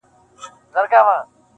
• هر کور يو غم لري تل..